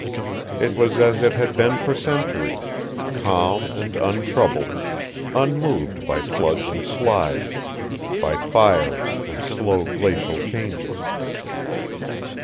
It was as it had been for centuries, calm and untroubled, unmoved by floods and slides, by fires and slow glacial changes.